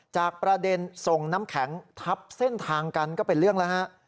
จากประเด็นส่งน้ำแข็งทับเส้นทางกันก็เป็นเรื่องแล้วฮะ